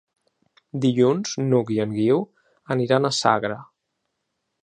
Dilluns n'Hug i en Guiu aniran a Sagra.